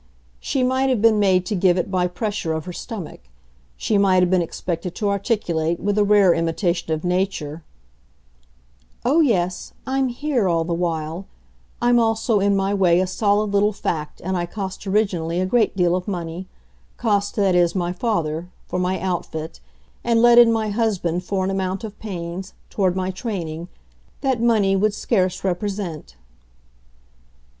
She might have been made to give it by pressure of her stomach; she might have been expected to articulate, with a rare imitation of nature, "Oh yes, I'm HERE all the while; I'm also in my way a solid little fact and I cost originally a great deal of money: cost, that is, my father, for my outfit, and let in my husband for an amount of pains toward my training that money would scarce represent."